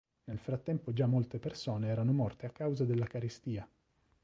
Nel frattempo già molte persone erano morte a causa della carestia.